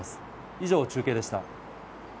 以上、中継でした。